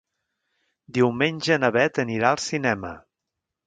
Diumenge na Beth anirà al cinema.